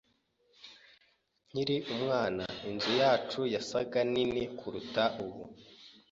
Nkiri umwana, inzu yacu yasaga nini kuruta ubu.